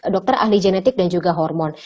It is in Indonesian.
dokter ahli genetik dan juga hormon